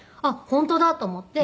本当だと思って。